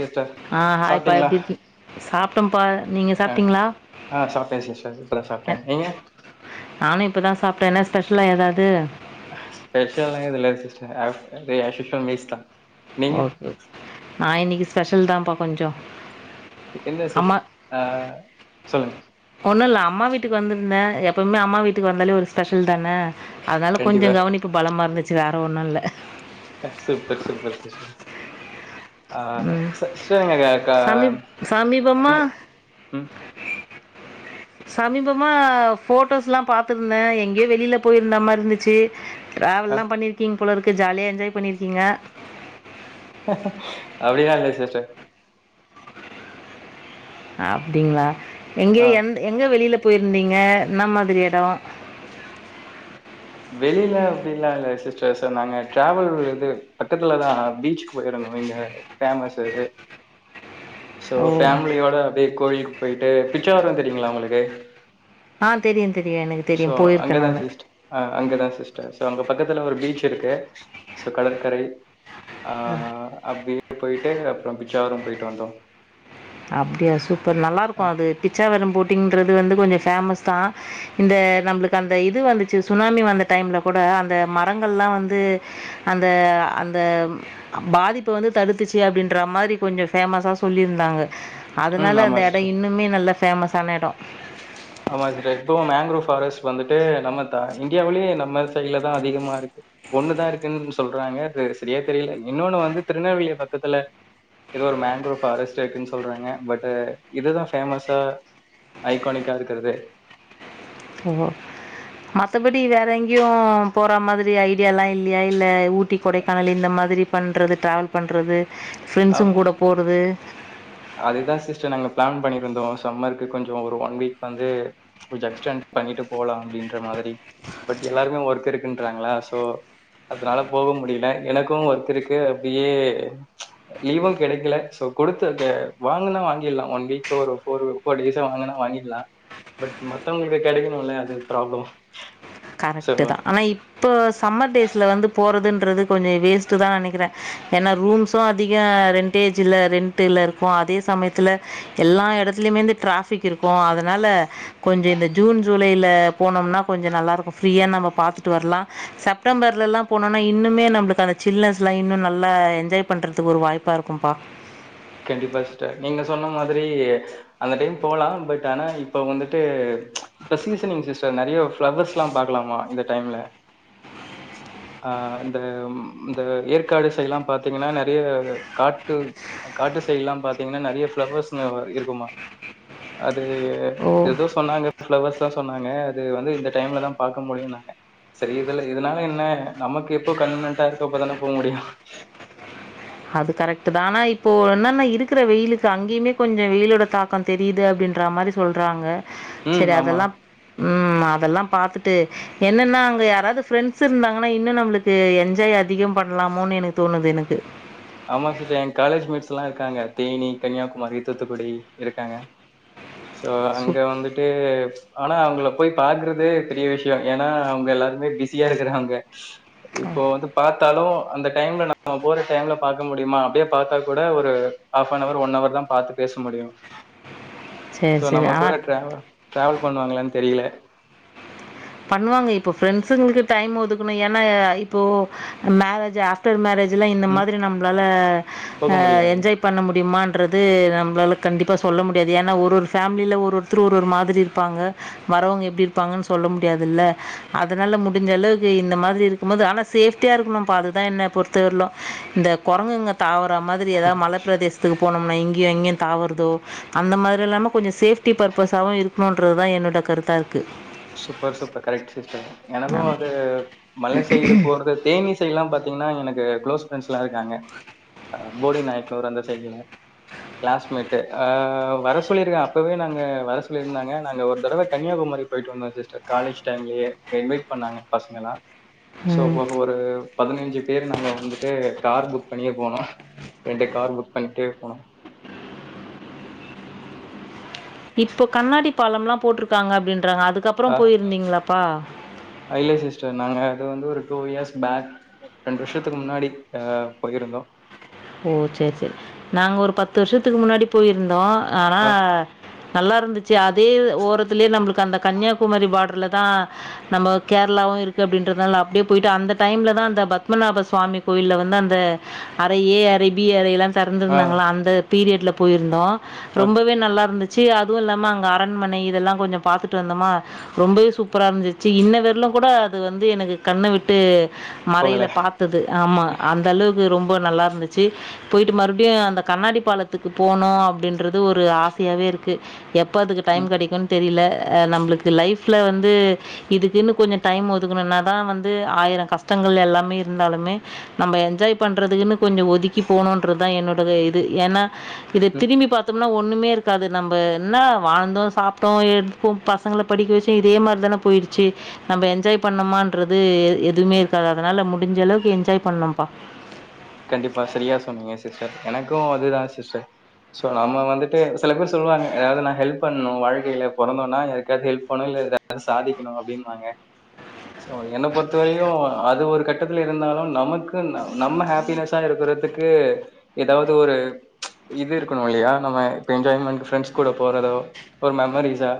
Sister ஆ இப்ப சாப்பிட்டீங்களா எப்படி இருக்கிங் சாப்ட்டோம்ப்பா நீங்க ஆ சாப்ட்டீங்களா ஆ சாப்பிட்டேன் சிஸ்டர் இப்போ தான் அ சாப்பிட்டேன் நீங்க நானு இப்பதா சாப்ட்டே என்ன ஸ்பெஷலா ஏதாவது ஸ்பெஷல்லா ஏதும் இல்ல சிஸ்டர் ஆஷ்யூசுவல் மீல்ஸ் தான் நீங்க ஓகே ஓகே நா இன்னைக்கு ஸ்பெஷல் தான்ப்பா கொஞ்சம் என்ன ஸ்பெஷல் ஆ சொல்லுங்க ஒன்னுல்ல அம்மா வீட்டுக்கு வந்திருந்தே எப்பமே அம்மா வீட்டுக்கு வந்தாலே ஒரு ஸ்பெஷல் தானே அதனால கொஞ்சோ கண்டிப்பா கவனிப்பு பலமா இருந்துச்சு வேற ஒண்ணு இல்ல சூப்பர் சூப்பர் சிஸ்டர் ஆ சிஸ்டர் இங்க கா சமீப் சமீபமா ம் சமீபமா போட்டோஸ்லா பாத்திருந்தேன் எங்கயோ வெளில போயிருந்தா மாறி இருந்துச்சு ஆ, ட்ராவெல்லா பண்ணிருக்கிங்க போலருக்கு ஜாலியா என்ஜாய் பண்ணிருக்கீங்க அப்படிலா இல்ல சிஸ்டர் அப்டிங்களா எங்க எ எங்க வெளில போயிருந்தீங்க என்ன மாதிரி எடோ வெளில அப்டில்லா இல்ல சிஸ்டர்ஸ் நாங்க டிராவல் இது பக்கத்துலதா பீச்சுக்கு போயிருந்தோ இங்க ஃபேமஸ் அது ஸோ ஓ! ஃபேமிலியோட அப்டியே கோவிலுக்கு போய்ட்டு பிச்சாவரோம் தெரியுங்களா உங்களுக்கு ஆ, தெரியு தெரியு எனக்கு தெரியு, போயிருக்கே நானு ஆ அங்கதா சிஸ்டர், சோ அங்க பக்கத்துல ஒரு பீச் இருக்கு சோ கடற்கரை ஆ அப்டியே போய்ட்டு அப்பற பிச்சாவரம் போயிட்டு வந்தோ அப்டியா சூப்பர் நல்லா இருக்கு ஆ, அது பிச்சாவரம் போட்டிங்ன்றது வந்து கொஞ்சோ பேமஸ்தா இந்த நம்மளுக்கு அந்த இது வந்துச்சு சுனாமி வந்த டைம்ல கூட அந்த மரங்கள்லா வந்து அந்த அந்த பாதிப்ப வந்து தடுத்துச்சு அப்டின்ற மாரி கொஞ்சோ ஃபேமஸா சொல்லிருந்தாங்க ம் அதுனால ஆமா அந்த எடோ சிஸ்டர் இன்னுமே நல்ல ஃபேமஸான எடோ ஆமா சிஸ்டர் இப்பவு மேங்க்ரோ ஃபாரெஸ்ட் வந்துட்டு நம்ம தா இந்தியாவ்லயே நம்ம சைடுலதா அதிகமா இருக்கு ஒண்ணுதா இருக்குன்னு சொல்றாங்க சரியா தெரியல இன்னொன்னு வந்து திருநெல்வேலி பக்கத்துல எதோ ஒரு மேங்கரோவ் ஃபாரஸ்ட் இருக்குன்னு சொல்றாங்க பட் இதுதா ஃபேமஸா ஐகானிக்கா இருக்கிறது ஓ மத்தபடி வேற எங்கேயு போற மாதிரி ஐடியால்லா இல்லியா இல்ல ஊட்டி கொடைக்கானல் இந்த மாதிரி பண்றது டிராவல் பண்றது ஃப்ரெண்ட்ஸ்ங்க கூட போறது அதுதா சிஸ்டர் நாங்க பிளான் பண்ணிருந்தோ சம்மருக்கு கொஞ்சோ ஒரு ஒன் வீக் வந்து கொஞ்சோ எக்ஸ்டண்ட் பண்ணிட்டு போலா அப்டின்ற மாதிரி பட் எல்லாருமே ஒர்க் இருக்குன்றாங்களா சோ அதனால போக முடியல எனக்கு ஒர்க் இருக்கு அப்டியே லீவு கெடைக்கல சோ குடுத்து த வாங்கனா வாங்கிட்லா ஒன் வீக் ஒரு ஃபோ ஃபோர் டேஸ்சா வாங்கனா வாங்கிட்லா பட் மத்தவங்களுக்கு கெடைக்கணும்ல அது ப்ராப்ளம் சோ கரெக்ட்டுதா ஆனா இப் போ சம்மர் டேஸ்ல வந்து போறதுன்றது கொஞ்சோ வேஸ்ட்டுதா நெனைக்கிறே ஏன்னா ரூம்ஸும் அதிக ரெண்ட் டேஜில ரெண்ட்டுல இருக்கு அதே சமயத்துல எல்லா எடத்துலயுமே இந்த டிராஃபிக் இருக்கு அதனால கொஞ்சோ இந்த ஜூன் ஜூலைல போனோம்னா கொஞ்சோ நல்லா இருக்கு ஃப்ரீயா நம்ம பாத்துட்டு வரலா, செப்டம்பர்ல ல்லா போனோம். னா இன்னுமே நம்மளுக்கு அந்த ஜில்னஸ் லா இன்னு நல்ல என்ஜாய் பண்றதுக்கு ஒரு வாய்ப்பா இருக்கும்பா கண்டிப்பா சிஸ்டர் நீங்க சொன்ன மாதிரி அந்த டைம் போகலா பட் ஆனா இப்ப வந்துட்டு இப்ப சீசனிங் சிஸ்டர் நறைய ஃப்ளவர்ஸ்லா பாக்கலாமா இந்த டைம்ல ஆ இந்த இந்த ஏற்காடு சைடுலா பாத்தீங்கனா நறைய காட்டு காட்டு சைடுல்லா பாத்தீங்னா நறைய ஃப்ளவர்ஸ்ங்க இருக்குமா அது ஓ! ஏதோ சொன்னாங்க ஃபிளவர்ஸ்ல்லா சொன்னாங்க அது வந்து இந்த டைம்லதா பாக்க முடியுனாங்க சரி இதுல்ல இதனால என்ன நமக்கு எப்போ கன்வீனியன்டா இருக்கோ அப்பதானே போ முடியு அது கரெக்ட்தா ஆனா இப்போ என்னன்ன இருக்கிற வெயிலுக்கு அங்கயுமே கொஞ்சோ வெயிலோட தாக் க தெரியுது அப்டின்ற மாரி சொல்றாங்க, ம். செரி ஆமா. அதெல்லா ம் அதெல்லா பாத்துட்டு என்னன்னா அங்க யாராவது ஃப்ரெண்ட்ஸ் இருந்தாங்கன்னா இன்னு நம்மளுக்கு என்ஜாய் அதிகம் பண்ணலாமோனு எனக்கு தோணுது எனக்கு ஆமா சிஸ்டர் எ காலேஜ் மெட்ஸ்லா இருக்காங்க தேனி, கன்னியாகுமரி, தூத்துக்குடி இருக்காங்க சோ அங்க சூப் வந்துட்டு ஆனா அவங்கள போய் பாக்குறதே பெரிய விஷயோ ஏன்னா அவங்க எல்லாரு மே பிஸியா இருக்குறாங்க இப்போ வந்து பாத்தாலு அந்த டைம்ல நம்ம போற டைம்ல பாக்க முடியுமா அப்டியே பாத்தா கூட ஒரு half an hour one hour தா பாத்து பேச முடியு சரி, சோ நம்ம சரி. கூட ஆனா ட்ராவல் ட்ராவல் பண்ணுவாங்களான்னு தெரியல பண்ணுவாங்க இப்போ ப்ரெண்ட்ஸுங்களுக்கு டைம் ஒதுக்கணும் ஏன்னா இப்போ மேரேஜ்ஜா ஆஃப்டர் மேரஜ்லாம் இந்த ம். மாதிரி நம்மளால போக முடியாது. என்ஜாய் பண்ண முடியுமான்றது நம்மளால கண்டிப்பா சொல்ல முடியாது ஏன்னா ஒரு ஒரு ஃபேமிலில ஒரு ஒருத்தர் ஒரு ஒரு மாதிரி இருப்பாங்க வரவங்க எப்படி இருப்பாங்கன்னு சொல்லம் முடியாதில்ல அதனால முடிஞ்ச அளவுக்கு இந்த மாதிரி இருக்கும் போது ஆனா சேஃப்டியா இருக்கணும் பா அதுதான் என்ன பொறு த்த வரையிலும் இந்த குரங்குங்க தாவற மாதிரி ஏதாவது மலைப்பிரதேஸ் த்துக்கு போனோம்னா இங்கயு அங்கயு தாவறதோ அந்த மாதிரி இல்லாம கொஞ்சம் சேஃப்டி பர்பஸாவவு இருக்கணுன்றதுதான் என்னோட கருத்தா இருக்கு சூப்பர் சூப்பர் கரெக்ட் சிஸ்டர் எனக்கும் ஆமாம் அது மல சைடு போறது தேனி சைடெல்லாம் பாத்தீங்கன்னா எனக்கு க்ளோஸ் ப்ரெண்ட்ஸ் எல்லாம் இருக்காங்க போடி நாயக்கனூர் அந்த சைடுல கிளாஸ்மேட்டு அ வர சொல்லிருக்கே அப்பவே நாங்க வர சொல்லியிருந்தாங்க நாங்க ஒரு தடவ கன்னியாகுமரி போய்ட்டு வந்தோ சிஸ்டர் காலேஜ் டைம்லேயே அங்கே இன்வைட் பண்ணாங்க பசங்களலாம் ஸோ ம் போக ஒரு பதினைஞ்சு பேர் நாங்க வந்துட்டு கார் புக் பண்ணியே போனோ ரெண்டு கார் புக் பண்ணிட்டே போனோ இப்போ கண்ணாடி பாலம்லாம் போட்டருக்காங்க அப்படின்றாங்க அதுக்கப்புறம் போயிருந்தீங்களாப்பா அ இல்ல சிஸ்டர் நாங்க அது வந்து ஒரு டூ இயர்ஸ் பேக் ரெண்டு வருஷத்துக்கு முன்னாடி அ போயிருந்தோ ஓ சரி சரி நாங்க ஒரு பத்து வருஷத்துக்கு முன்னாடி போயிருந்தோ ஆனா அ, நல்லா இருந்துச்சு அதே ஓரத்திலே நம்மளுக்கு அந்த கன்னியாகுமரி பார்டர்ல தா நம்ம கேரளாவும் இருக்கு அப்படின்றதுனால அப்படியே போயிட்டு அந்த டைம்ல தான் அந்த பத்மநாப சுவாமி கோயில்ல வந்து அந்த அ இந்த ஏ அரபி அறை எல்லா ஆ, திறந்திருந்தாங்கள்ள அந்த பீரியட்ல போயிருந்தோ அ ரொம்பவே நல்லா இருந்துச் சீ அதுவு இல்லாம அங்கே அரண்மனை இதெல்லா கொஞ்சம் பார்த்துட்டு வந்தோமா ரொம்பவே சூப்பரா இருந்துச்சு இன்ன வரலும் கூட அது வந்து எனக்கு கண்ண விட்டு போகல. மறைல பார்த்தது ஆமா அந்த அளவுக்கு ரொம்ப நல்லா இருந்துச்சு போயிட்டு மறுபடியு அந்த கண்ணாடி பாலத்துக்கு போனு அப்டின்றது ஒரு ஆசையாவே இருக்கு எப் ப அதுக்கு டைம் ம். கிடைக்குன்னு தெரியல அ நம்ளுக்கு லைஃப்ல வந்து இதுக்குன்னு கொஞ்ஜோ டைம் ஒதுக்கணுன்னாதான் வந்து ஆயிரம் கஷ்டங்கள் எல்லாமே இருந்தாலுமே நம்ப என்ஜாய் பண் றதுக்குன்னு கொஞ்சோ ஒதுக்கி போனும்ன்றதுதா என்னோட இது ஏன்னா இது திரும்பி பாத்த இன்னும் ஒண்ணுமே இருக்காது நம்ம என்ன வாழ்ந்தோ சாப்பிட்டோ எடுப்போ பசங்களை படிக்க வெச்சோம் இதே மாதிரி தான போயிருச்சே நம்ப என்ஜாய் பண்ணோமான்றது எ எதுவுமே இருக்காது அதனால முடிஞ்சளவுக்கு என்ஜாய் பண்ணும்ப்பா கண்டிப்பா சரியா சொன்னீங்க சிஸ்டர் எனக்கும் அதுதான் சிஸ்டர் சோ நம்ம வந்துட்டு சில பேர் சொல்வாங்க எதாவது நான் ஹெல்ப் பண்ணணு வாழ்க்கையில பொறந்தோம்னா யாருக்காவது ஹெல்ப் பண்ணும் இல்ல இந்த சாதிக்கணு அப்டின் பாங்க சோ என்ன பொறுத்த வரையு அது ஒரு கட்டத்துல இருந்தாலு நமக்கு நம்ம ஹேப் பினஸா இருக்குறதுக்கு எதாவது ஒரு இது இருக்கணும் இல்லையா நம்ம இப்போ என்ஜாய்மண்ட் ஃப்ரெண்ட்ஸ் கூட போறதோ ஒரு மெமரிஸா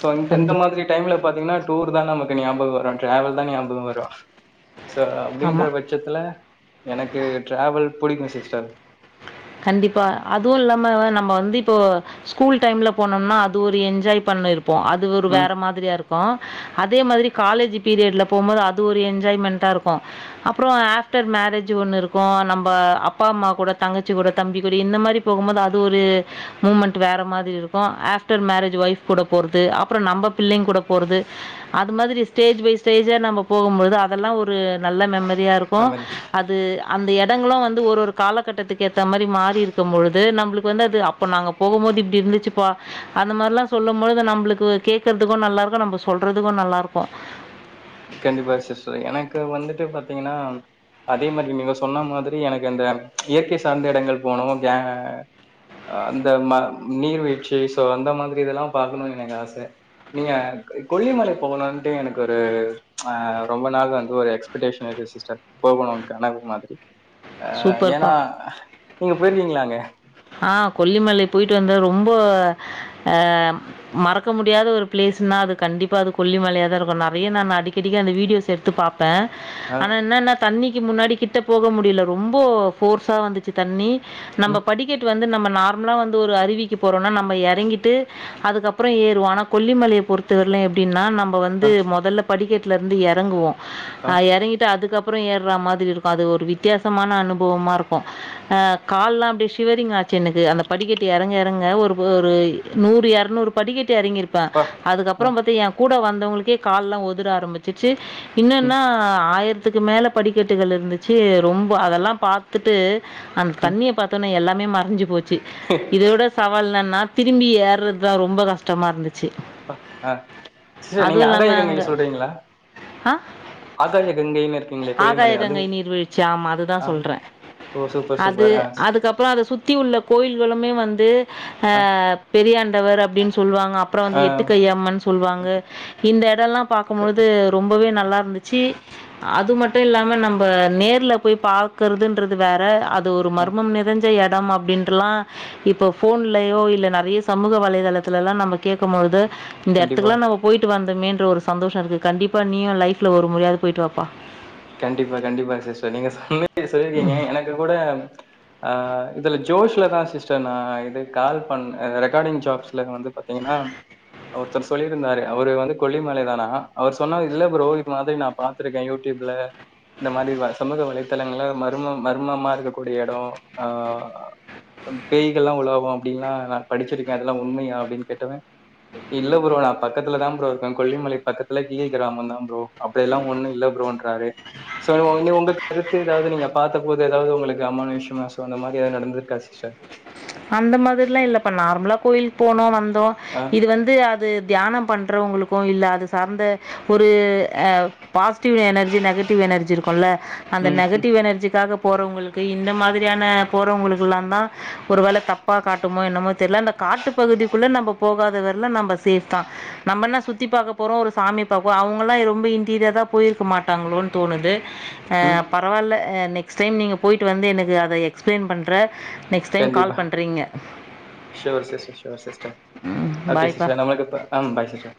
சோ இந்த இந்த கண்டிப்பா மாதிரி டைம்ல பாத்தீங்கன்னா டூர் தா நமக்கு ஞாபகம் வரும் ட்ராவல் தா ஞாபகம் வரும் சோ அப்டீன்ற ஆமா. பட் பட்சத்துல எனக்கு டிராவல் புடிக்கு சிஸ்டர் கண்டிப்பா அதுவு இல்லாம நம்ம வந்து இப்போ ஸ்கூல் டைம்ல போனோம்னா அது ஒரு என்ஜாய் பண்ணி இருப்போ அது ஒரு ம். வேற மாதிரியா இருக்கு பா அதே மாதிரி காலேஜ் பீரியட்ல போம்போது அது ஒரு என்ஜாய்மெண்ட்டா இருக்கும் அப்றோ ஆப்டர் மேரேஜ் ஒண்ணு இருக்கு நம்ப அப்பா அம்மா கூட தங்கச்சிகூட தம்பிகூட இந்த மாரி போகும்போது அது ஒரு மூமெண்ட் வேற மாரி இருக்கு ஆப்டர் மேரேஜ் ஒய்ஃப் கூட போறது அப்றோ நம்ம பிள்ளைங் கூட போறது அது மாதரி ஸ்டேஜ் பை ஸ்டேஜா நம்ம போகும்போது அதெல்லா ஒரு நல்ல மெம்மர் ரியா இருக்கு மாரி அது அந்த எடங்களு வந்து ஒரு ஒரு கால கட்டத்துக்கு ஏத்த மாரி மாறி இருக்கும் பொழுது நம்முளுக்கு வந்து அது அப்போ நாங்க போகும் போது இப்பிடி இருந்துச்சுப்பா அந்த மாரில்லா சொல்லும் பொழுது நம்முளுக்கு கேக்குறதுக்கு நல்லா இருக்கு நம்ப சொல்றதுக்கு நல்லா இருக்கு கண்டிப்பா சிஸ்டர் எனக்கு வந்துட்டு பாத்தீங்கனா அதே மாதிரி நீங்க சொன்ன மாதிரி எனக்கு இந்த ச் இயற்கை சார்ந்த இடங்கள் போனு ஏ அந்த ம நீர்வீழ்ச்சி சோ அந்த மாதிரி இதெல்லா பாக்கணு எனக்கு ஆச நீங்க கொல்லிமலை போகணுன்ட்டு எனக்கு ஒரு ஆ ரொம்ப நாள் வந்து ஒரு எக்ஸ்பெக்டேஷன் இருக்கு சிஸ்டர் போகணு கனவு மாதிரி ஆ ஏனா சூப்பர்ப்பா நீங்க போயிருக்கீங்களாங்க ஆ கொல்லிமலை போய்ட்டு வந்த ரொம்ப ஆ மறக்க முடியாத ஒரு பிளேஸ்னா அது கண்டிப்பா அது கொல்லிமலையா தா இருக்கு நெறைய நா அடிக்கடிக்க அந்த வீடியோஸ் எடுத்து பாப் ப்ப ஆ ஆனா என்னன்ன தண்ணிக்கி முன்னாடி கிட்ட போக முடியல ரொம்ப போர்ஸா வந்துச்சு தண்ணி நம்ம ம் படிக்க வந்து நம்ப நார்மலா வந்து ஒரு அருவிக்கு போறோனா நம்ம எறங்கிட்டு அதுக்கப்புறோ ஏறுவோ ஆனா கொல்லிமலைய பொறு த்தவர்ல எப்டினா நம்ம வந்து ஆ முதல்ல படிக்கட்டுல இருந்து எறங்குவோ ஆ எறங்கிட்டு அதுக்கப் ப்புறோ ஏற மாதிரி இருக்கு அது ஒரு வித்தியாசமான அனுபவமா இருக்கு அ கால்லா அப்டி ஸ் சிவரிங் ஆச்சு எனக்கு அந்த படிக்கட்டு இறங்க இறங்க ஒரு ஒரு நூறு எரநூறு படிக்கட்டு இறங்கிரு ப்ப ஆ ஆ அதுக்கப்புறோ பாத்தீ ஏ கூட வந்தவங்களுக்கே கால் எல்லா ஒதுர ஆரம்பிச்சிச்சு ம் இன்னன்னா ஆயிரத்துக்கு மேல படிக்கட்டுகள் இருந்துச்சு ரொம்ப அதெல்லா பாத் துட்டு அந்த ம் தண்ணிய பாத்தவுனே எல்லாமே மறைஞ்சு போச்சு இதோ விட சவால் என்னனா திரும்பி ஏற்றதா ரொம்ப கஷ்டமா இருந்து ப்ப அ சிஸ்டர் நீங்க அதுவும் ஆகாய இல்லாமல் கங்கைல அங்கே சொல்றீங்களா ஆ ஆகாக கங்கைன்னர் ஆகாய கங்கை நீர் வீழ்ச்சு ஆமா அதுதா ஆ சொல்றே ஓ சூப்பர் அது சூப்பர் ஆ அதுக்கப்புறோ அத சுத்தி உள்ள கோயில்களுமே வந்து பெரியாண்டவர் அப்டின் சொல்லுவாங்க அப் அப்புறோ ஆ ஆ வந்து எட்டு கைய் அம்மன் சொல்லுவாங்க இந்த எடல்லா க- பாக்கும்பொழுது ரொம்பவே நல்லா இருந்துச்சி அது மட்டு இல்லாம நம்ப நேர்ல போய் பாக்கறதுன்றது வேற அது ஒரு ஆ மர்மம்னேதன் ஞ்ச எடம் அப்படின்றல்லா இப்ப ஃபோன்லயோ இல்ல நெறைய சமூக வலைதளத்துல ல்லா நம்ம கேட்குபோழுது இந்த கண்டிப்பா. எடத்துக்கெலா நம்ம போய்ட்டு வந்தோமேன்ற ஒரு சந்தோஷோ இருக்கு கண்டிப்பா நீயு லைஃப்ல ஒரு முறையாவ்து போயிட்டு வாப்பா கண்டிப்பா கண்டிப்பா சிஸ்டர் நீங்க சொன்னிங்க சொல்லிருக்கீங்க எனக்கு கூட ஆ இதுல ஜோஷ்ல தா சிஸ்டர் நா இது கால் பண்ண ரெக்கார்டிங் ஜாப்ஸ்ல வந்து பாத்தீங்கனா ஒருத்தர் சொல்லியிருந்தாரு அவரு வந்து கொல்லிமலைதானா அவர் சொன்னாரு இல்ல ப்ரோ இது மாதிரி நா பாத்திருக்கே யூடியூப்ல இந்த மாரி வ சமூக வலைத்தளங்கள்ல மர்ம மர்மமா இருக்கக்கூடிய எடோ ஆ பேய்கள்ல்லா உலாவு அப்டின்லா நா படிச்சிருக்கே அதெல்லா உண்மையா அப்டின் கேட்டவே இல்ல ப்ரோ நா பக்கத்துல தா ப்ரோ இருக்கே கொல்லிமலை பக்கத்துல கிலி கிராமந் தா ப்ரோ அப்பிடியெல்லா ஒண்ணு இல்ல ப்புரோன்றாரு சோ உங்க உங்க கருத்து எதாவ்து நீங்க பாத்த போது எதாவ்து உங்களுக்கு அமானுச விஷயமா சோ அந்த மாரி ஏதாது நடந்திருக்கா சிஸ்டர் அந்த மாதிரிலா இல்லப்பா நார்மலா கோயிலுக்கு போனோ வந்தோ அ இது வந்து அது தியானோ பண்ணறவங்களுக்கு இல்ல அத சார்ந்த ஒரு பாசிட்டிவ் எனர்ஜி ந நெகடிவ் எனர்ஜி இருக்குல்ல அந்த ம். ம். நெகட்டிவ் எனர்ஜிக்காக போறவங்களுக்கு இந்த மாதிரியான போறவங்களுக்கல்லா தா ஒரு வேல தப்பா காட்டுமோ என்னமோ தெரில அந்த காட்டு பகுதிக்குள்ள நம்ம போகாத வரல நம்ம சேஃப் தா நம்மன்ன சுத்தி பாக்க போறோ ஒரு சாமி பாக்கோ அவுங்கல்லா ரொம்ப இன்டீரியரா போயிருக்க மாட்டாங்களோன்னு தோணுது அ ம். பரவால்ல அ நெக்ஸ்ட் டைம் நீங்க போய்ட்டு வந்து எனக்கு அத எக்ஸ்பிளைன் பண்ற நெக்ஸ்ட் டைம் கால் பண்றீங்க சுயர் சிஸ்டர் சுயர் சிஸ்டர் ம் ஓகே பாய்ப்பா சிஸ்டர் நமக்கு இப்பா அ பாய் சிஸ்டர்